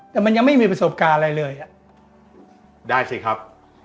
แต่มันยังไม่มีประสบการณ์อะไรเลยได้สิครับ